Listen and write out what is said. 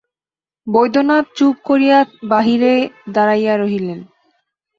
বৈদ্যনাথ চুপ করিয়া বাহিরে দাঁড়াইয়া রহিলেন।